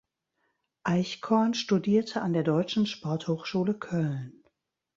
Eichkorn studierte an der Deutschen Sporthochschule Köln.